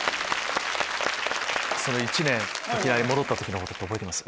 １年沖縄に戻った時のことって覚えてます？